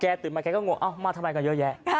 ตื่นมาแกก็งงเอ้ามาทำไมก็เยอะแยะ